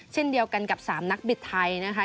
เช่นเดียวกันกับ๓นักบิดไทยนะคะ